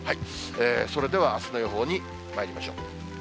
それではあすの予報にまいりましょう。